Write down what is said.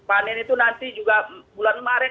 dan panen itu nanti juga bulan maret